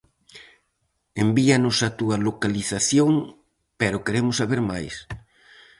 Envíanos a túa localización pero queremos saber máis.